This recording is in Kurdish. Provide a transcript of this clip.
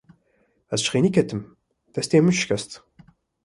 Ez ji xênî ketim, destê min şikest.